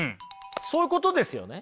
そういうことですよね。